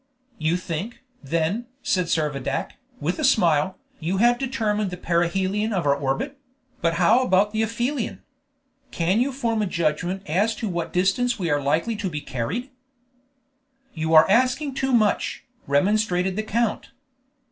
"You think, then," said Servadac, with a smile, "you have determined the perihelion of our orbit; but how about the aphelion? Can you form a judgment as to what distance we are likely to be carried?" "You are asking too much," remonstrated the count.